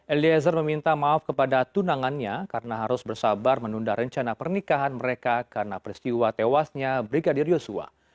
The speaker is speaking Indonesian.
eliezer meminta maaf kepada tunangannya karena harus bersabar menunda rencana pernikahan mereka karena peristiwa tewasnya brigadir yosua